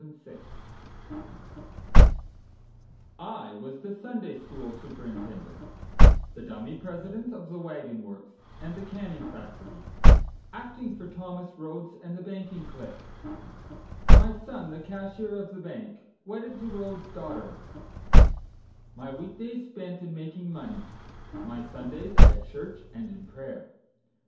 Henry Phipps I was the Sunday school superintendent, The dummy president of the wagon works And the canning factory, Acting for Thomas Rhodes and the banking clique; My son the cashier of the bank, Wedded to Rhodes' daughter, My week days spent in making money, My Sundays at church and in prayer.